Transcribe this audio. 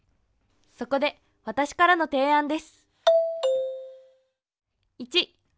そこで私からの提案です！